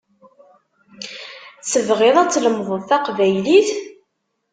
Tebɣiḍ ad tlemded taqbaylit?